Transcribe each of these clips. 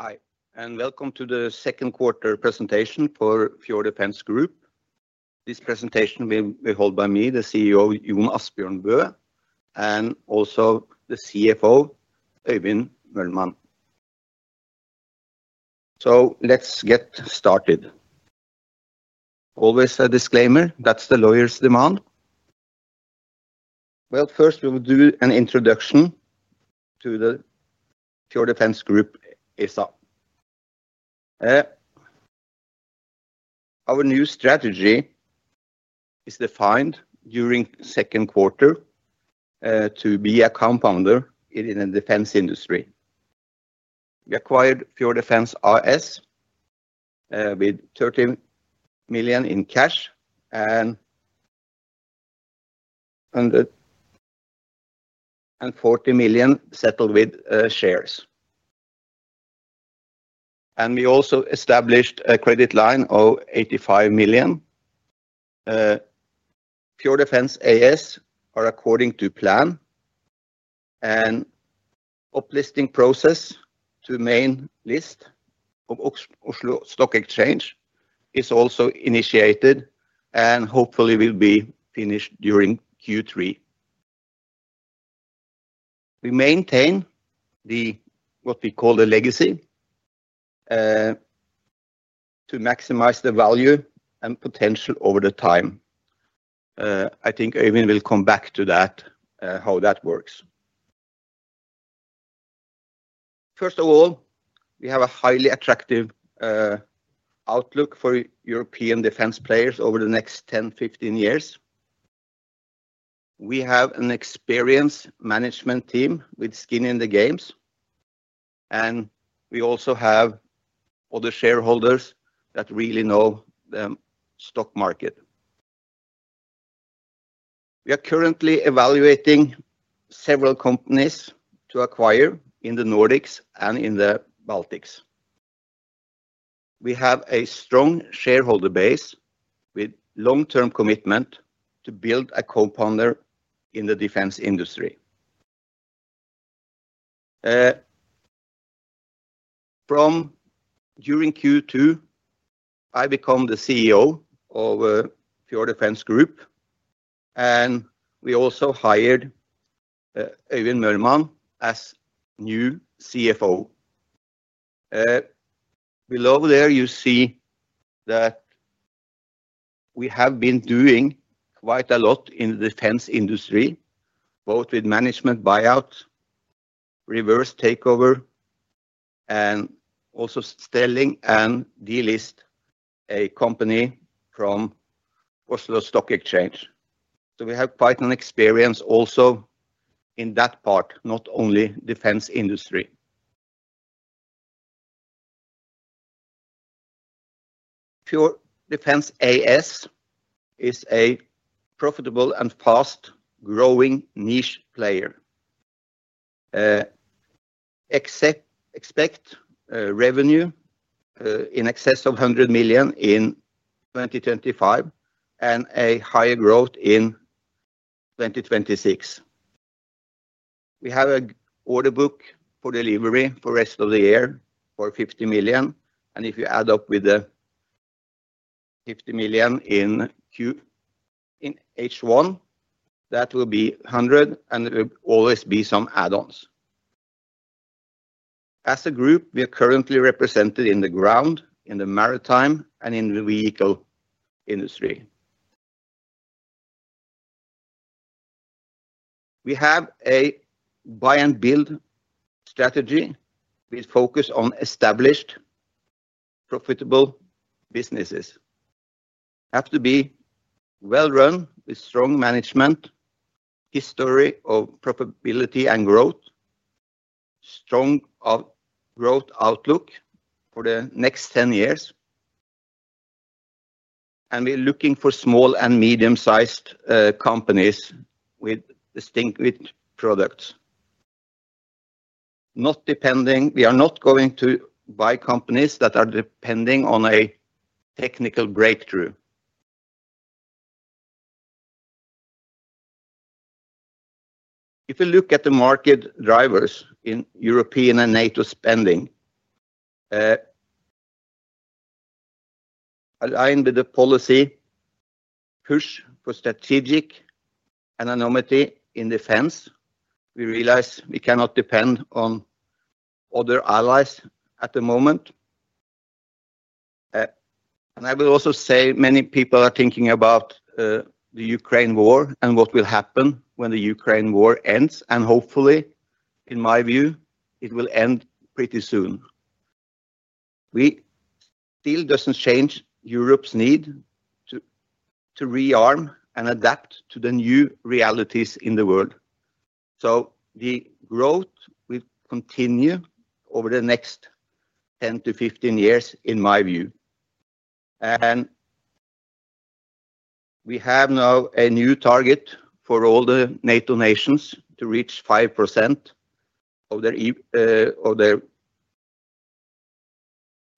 Hi, and welcome to the Second Quarter Presentation for Fjord Defence Group. This presentation will be held by me, the CEO Jon Asbjørn Bø, and also the CFO, Øyvind Mølmann. Let's get started. Always a disclaimer, that's the lawyer's demand. First, we will do an introduction to the Fjord Defence Group ASA. Our new strategy is defined during the second quarter to be a compounder in the defense industry. We acquired Fjord Defence AS with 13 million in cash and under 40 million settled with shares. We also established a credit line of 85 million. Fjord Defence AS are according to plan, and the uplisting process to the main list of Oslo Stock Exchange is also initiated and hopefully will be finished during Q3. We maintain what we call the legacy to maximize the value and potential over the time. I think Øyvind will come back to that, how that works. First of all, we have a highly attractive outlook for European defense players over the next 10-15 years. We have an experienced management team with skin in the game, and we also have other shareholders that really know the stock market. We are currently evaluating several companies to acquire in the Nordics and in the Baltics. We have a strong shareholder base with long-term commitment to build a compounder in the defense industry. During Q2, I became the CEO of Fjord Defence Group, and we also hired Øyvind Mølmann as new CFO. Below there, you see that we have been doing quite a lot in the defense industry, both with management buyouts, reverse takeover, and also selling and delisting a company from Oslo Stock Exchange. We have quite an experience also in that part, not only the defense industry. Fjord Defence AS is a profitable and fast-growing niche player. Expect revenue in excess of 100 million in 2025 and a higher growth in 2026. We have an order book for delivery for the rest of the year for 50 million, and if you add up with the 50 million in H1, that will be 100 million, and there will always be some add-ons. As a group, we are currently represented in the ground, in the maritime, and in the vehicle industry. We have a buy-and-build strategy with a focus on established profitable businesses. It has to be well run with strong management, a history of profitability and growth, a strong growth outlook for the next 10 years. We're looking for small and medium-sized companies with distinguished products. We are not going to buy companies that are depending on a technical breakthrough. If we look at the market drivers in European and NATO spending, aligned with the policy push for strategic autonomy in defense, we realize we cannot depend on other allies at the moment. I will also say many people are thinking about the Ukraine war and what will happen when the Ukraine war ends, and hopefully, in my view, it will end pretty soon. It still doesn't change Europe's need to rearm and adapt to the new realities in the world. The growth will continue over the next 10-15 years, in my view. We have now a new target for all the NATO nations to reach 5% of their GDP,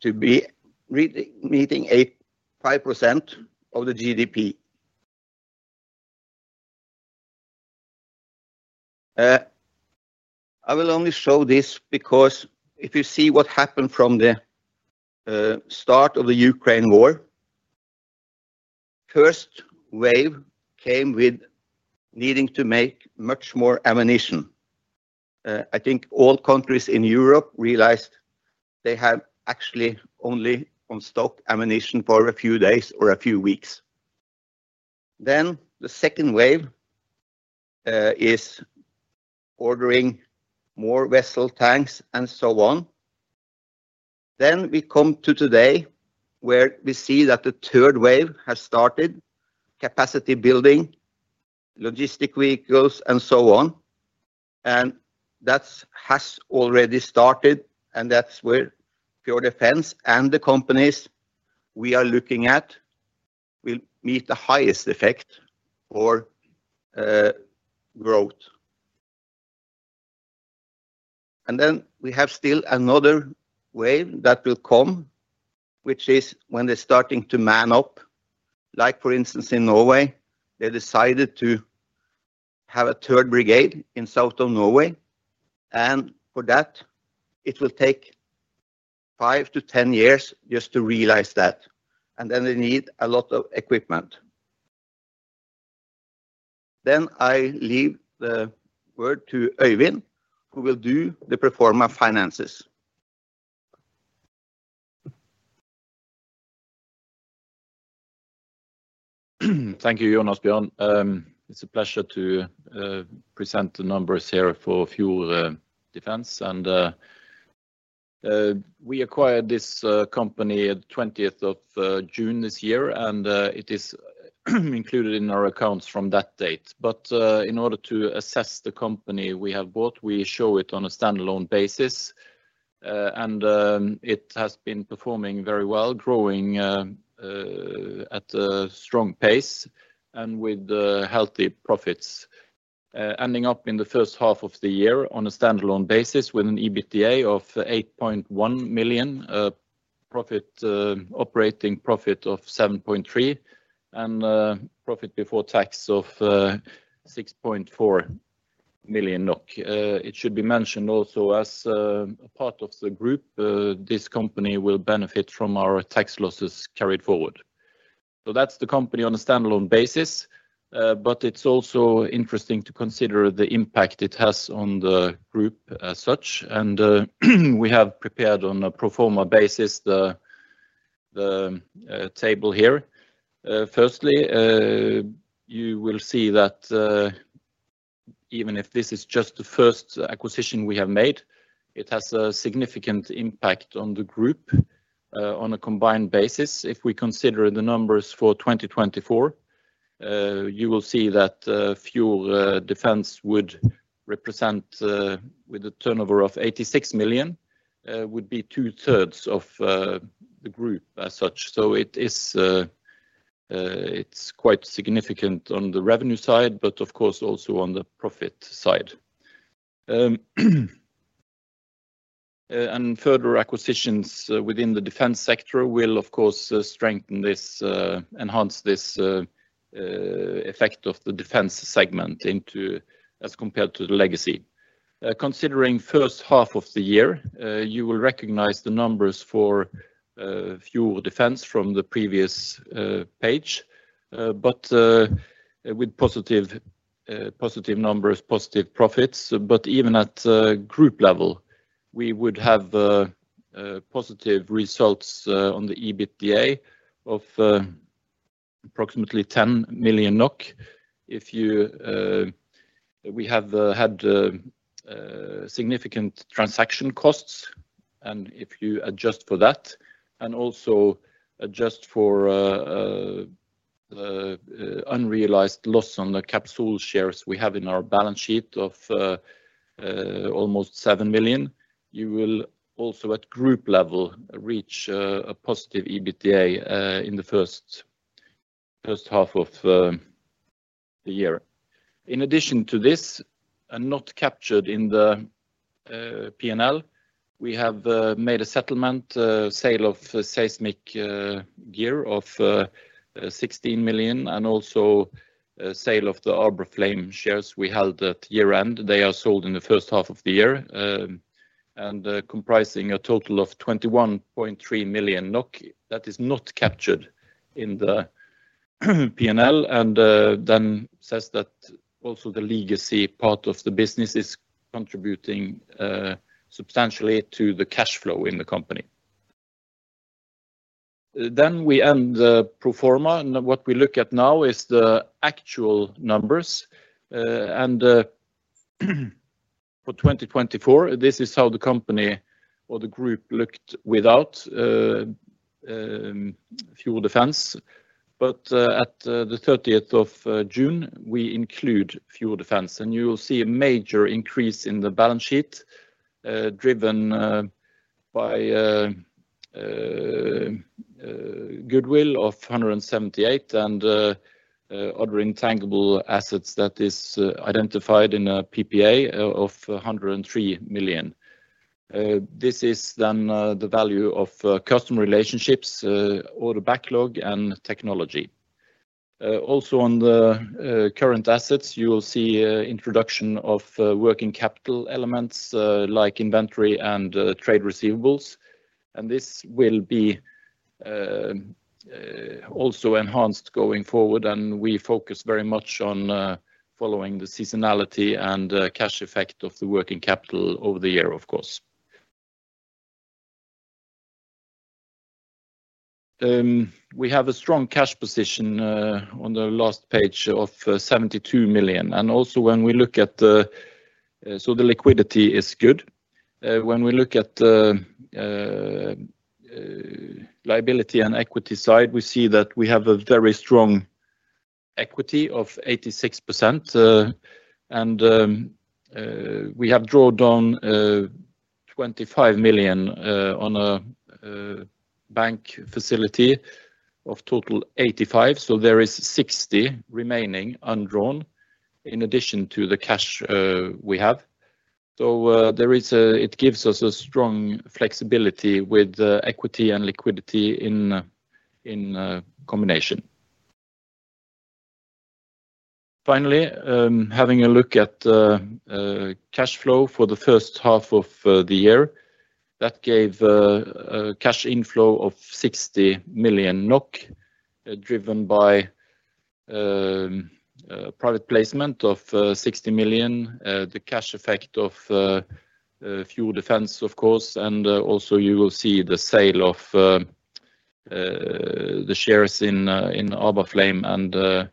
to be really meeting 5% of the GDP. I will only show this because if you see what happened from the start of the Ukraine war, the first wave came with needing to make much more ammunition. I think all countries in Europe realized they have actually only on stock ammunition for a few days or a few weeks. The second wave is ordering more vessel tanks and so on. We come to today where we see that the third wave has started, capacity building, logistic vehicles, and so on. That has already started, and that's where [pure defense] and the companies we are looking at will meet the highest effect for growth. We have still another wave that will come, which is when they're starting to man up. For instance, in Norway, they decided to have a third brigade in south of Norway. For that, it will take 5-10 years just to realize that. They need a lot of equipment. I leave the word to Øyvind, who will do the performance finances. Thank you, Jon Asbjørn. It's a pleasure to present the numbers here for Fjord Defence. We acquired this company on the 20th of June this year, and it is included in our accounts from that date. In order to assess the company we have bought, we show it on a standalone basis. It has been performing very well, growing at a strong pace, and with healthy profits, ending up in the first half of the year on a standalone basis with an EBITDA of 8.1 million, operating profit of 7.3 million, and profit before tax of 6.4 million NOK. It should be mentioned also as a part of the group, this company will benefit from our tax losses carried forward. That's the company on a standalone basis. It's also interesting to consider the impact it has on the group as such. We have prepared on a proforma basis the table here. Firstly, you will see that even if this is just the first acquisition we have made, it has a significant impact on the group on a combined basis. If we consider the numbers for 2024, you will see that Fjord Defence would represent, with a turnover of 86 million, 2/3 of the group as such. It's quite significant on the revenue side, but of course, also on the profit side. Further acquisitions within the defense sector will, of course, strengthen this, enhance this effect of the defense segment as compared to the legacy. Considering the first half of the year, you will recognize the numbers for Fjord Defence from the previous page, with positive numbers, positive profits. Even at the group level, we would have positive results on the EBITDA of approximately NOK 10 million if we had significant transaction costs. If you adjust for that, and also adjust for unrealized loss on the capital shares we have in our balance sheet of almost 7 million, you will also, at the group level, reach a positive EBITDA in the first half of the year. In addition to this, and not captured in the P&L, we have made a settlement sale of seismic gear of 16 million and also a sale of the Arbaflame shares we held at year-end. They are sold in the first half of the year, comprising a total of 21.3 million NOK. That is not captured in the P&L, and that says that also the legacy part of the business is contributing substantially to the cash flow in the company. We end the proforma, and what we look at now is the actual numbers. For 2024, this is how the company or the group looked without Fjord Defence. At the 30th of June, we include Fjord Defence, and you will see a major increase in the balance sheet driven by goodwill of 178 million and other intangible assets that are identified in a PPA of 103 million. This is then the value of customer relationships, order backlog, and technology. Also, on the current assets, you will see the introduction of working capital elements like inventory and trade receivables. This will be also enhanced going forward, and we focus very much on following the seasonality and cash effect of the working capital over the year, of course. We have a strong cash position on the last page of 72 million. When we look at the liquidity, it is good. When we look at the liability and equity side, we see that we have a very strong equity of 86%. We have drawn down 25 million on a bank facility of total 85 million, so there is 60 million remaining undrawn in addition to the cash we have. It gives us a strong flexibility with equity and liquidity in combination. Finally, having a look at the cash flow for the first half of the year, that gave a cash inflow of 60 million NOK driven by private placement of 60 million, the cash effect of Fjord Defence, of course. You will see the sale of the shares in Arbaflame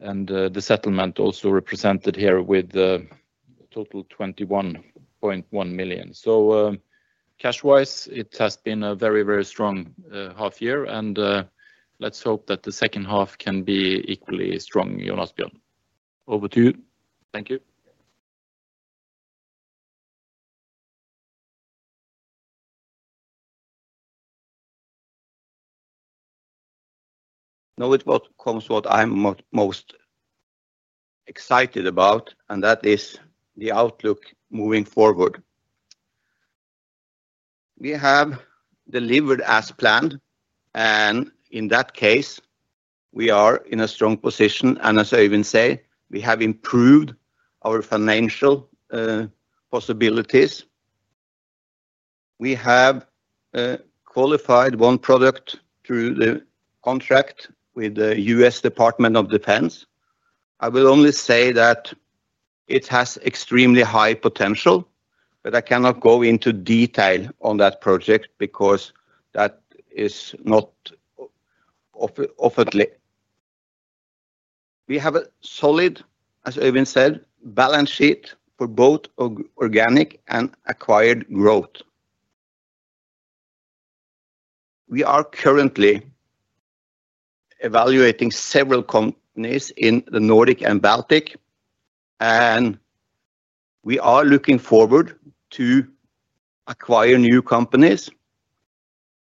and the settlement also represented here with the total 21.1 million. Cash-wise, it has been a very, very strong half year. Let's hope that the second half can be equally strong, Jon Asbjørn. Over to you. Thank you. Knowledge about what comes to what I'm most excited about, and that is the outlook moving forward. We have delivered as planned, and in that case, we are in a strong position. As I even say, we have improved our financial possibilities. We have qualified one product through the contract with the U.S. Department of Defense. I will only say that it has extremely high potential, but I cannot go into detail on that project because that is not offered yet. We have a solid, as Øyvind said, balance sheet for both organic and acquired growth. We are currently evaluating several companies in the Nordics and Baltics, and we are looking forward to acquiring new companies.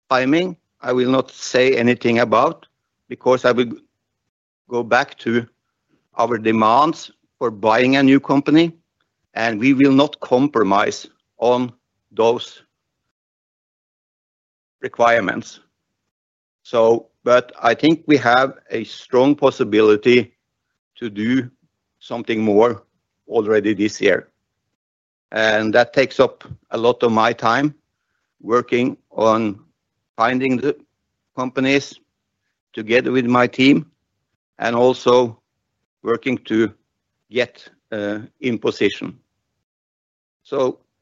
Timing, I will not say anything about because I will go back to our demands for buying a new company, and we will not compromise on those requirements. I think we have a strong possibility to do something more already this year. That takes up a lot of my time working on finding the companies together with my team and also working to get in position.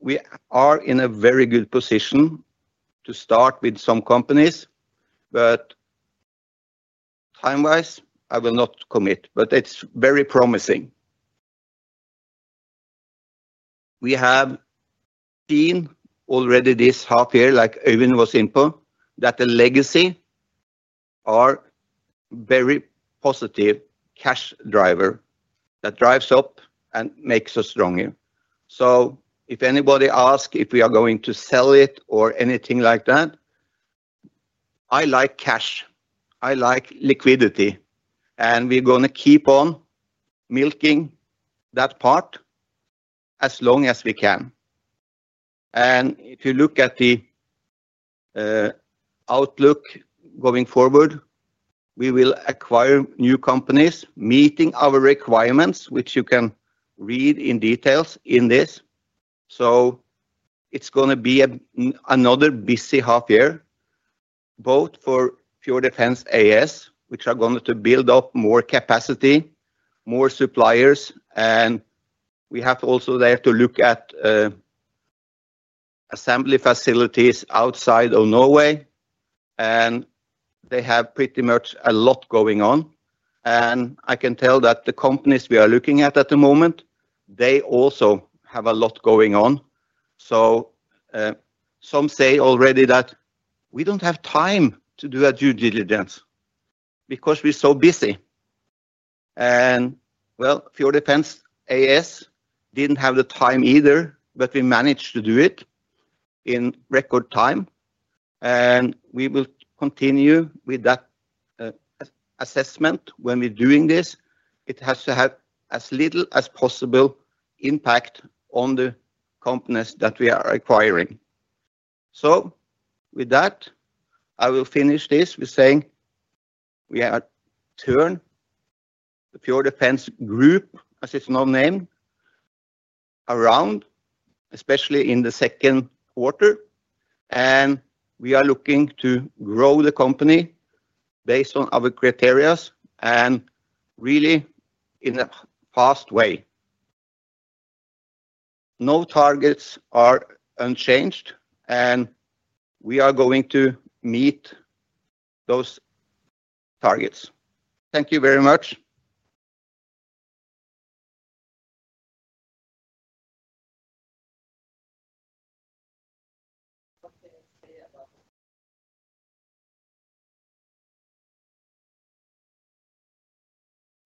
We are in a very good position to start with some companies, but time-wise, I will not commit, but it's very promising. We have seen already this half year, like Øyvind was inputting, that the legacy is a very positive cash driver that drives up and makes us stronger. If anybody asks if we are going to sell it or anything like that, I like cash. I like liquidity. We're going to keep on milking that part as long as we can. If you look at the outlook going forward, we will acquire new companies meeting our requirements, which you can read in detail in this. It's going to be another busy half year, both for Fjord Defence AS, which are going to build up more capacity, more suppliers. We have also there to look at assembly facilities outside of Norway. They have pretty much a lot going on. I can tell that the companies we are looking at at the moment, they also have a lot going on. Some say already that we don't have time to do a due diligence because we're so busy. Fjord Defence AS didn't have the time either, but we managed to do it in record time. We will continue with that assessment when we're doing this. It has to have as little as possible impact on the companies that we are acquiring. With that, I will finish this with saying we are turning the Fjord Defence Group [ASA] around, especially in the second quarter. We are looking to grow the company based on our criteria and really in a fast way. No targets are unchanged, and we are going to meet those targets. Thank you very much.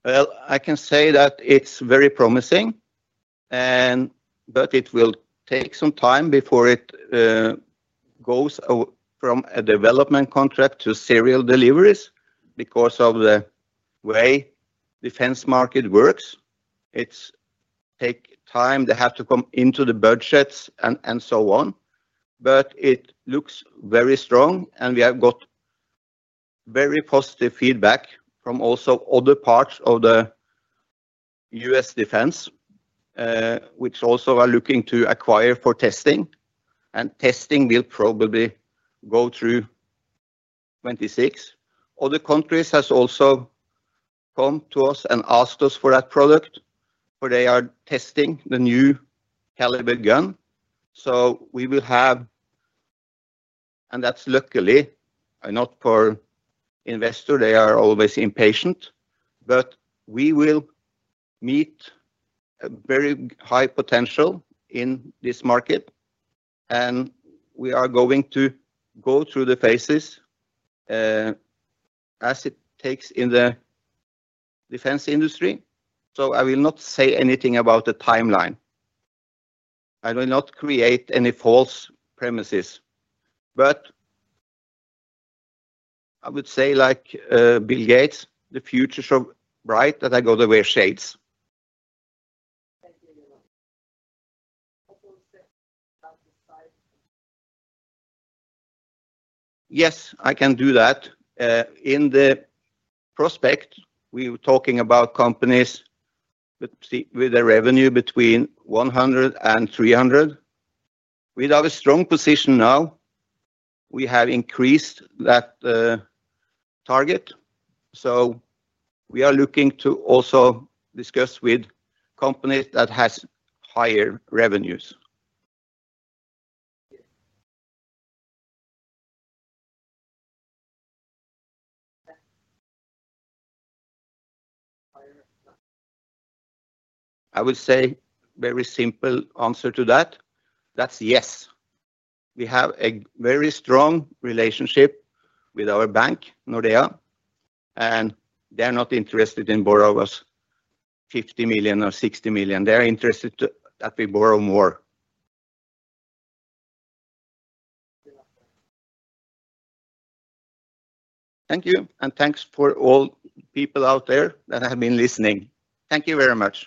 It is very promising, but it will take some time before it goes from a development contract to serial deliveries because of the way the defense market works. It takes time. They have to come into the budgets and so on. It looks very strong, and we have got very positive feedback from also other parts of the U.S. defense, which also are looking to acquire for testing. Testing will probably go through 2026. Other countries have also come to us and asked us for that product, where they are testing the new caliber gun. We will have, and that's luckily, I'm not an investor. They are always impatient. We will meet a very high potential in this market. We are going to go through the phases as it takes in the defense industry. I will not say anything about the timeline. I will not create any false premises. I would say like Bill Gates, the future's so bright that I got to wear shades. Yes, I can do that. In the prospect, we were talking about companies with a revenue between 100 million and 300 million. We have a strong position now. We have increased that target. We are looking to also discuss with companies that have higher revenues. I would say a very simple answer to that. That's yes. We have a very strong relationship with our bank, Nordea, and they're not interested in borrowing us 50 million or 60 million. They're interested in that we borrow more. Thank you, and thanks for all the people out there that have been listening. Thank you very much.